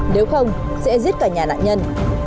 nếu không sẽ giết cả nhà nạn nhân